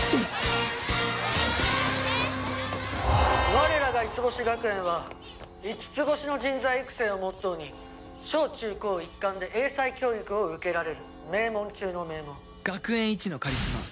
「我らが五星学園は“五つ星の人材育成”をモットーに小中高一貫で英才教育を受けられる名門中の名門」学園一のカリスマ